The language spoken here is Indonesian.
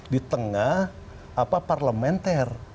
di tengah parlementer